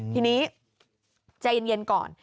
ทีนี้ใจเย็นก่อน